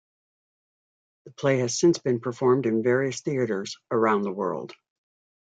The play has since been performed in various theatres around the world.